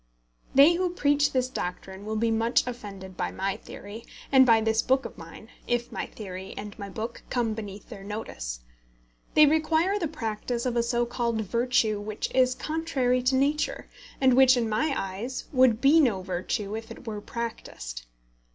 They who preach this doctrine will be much offended by my theory, and by this book of mine, if my theory and my book come beneath their notice. They require the practice of a so called virtue which is contrary to nature, and which, in my eyes, would be no virtue if it were practised.